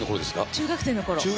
中学生のころに。